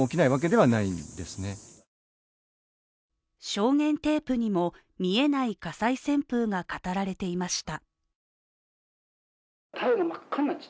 証言テープにも見えない火災旋風が語られていました。